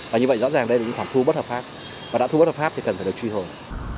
và như vậy rõ ràng đây là những khoản thu bất hợp pháp và đã thu bất hợp pháp thì cần phải được truy hồi